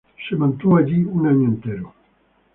Se mantuvo allí por un año entero.